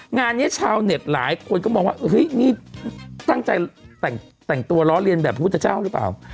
งานนี้ชาวเน็ตหลายคนก็มองว่าเฮ้ยนี่ตั้งใจแต่งตัวล้อเลียนแบบพระพุทธเจ้าหรือเปล่า